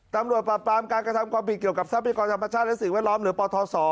ปราบปรามการกระทำความผิดเกี่ยวกับทรัพยากรธรรมชาติและสิ่งแวดล้อมหรือปทศ